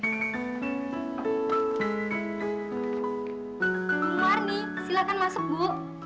ibu arni silakan masuk bu